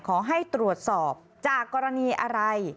ขอให้ตรวจสอบจากกรณีอะไร